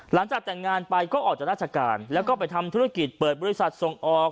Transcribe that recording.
หลังจากแต่งงานไปก็ออกจากราชการแล้วก็ไปทำธุรกิจเปิดบริษัทส่งออก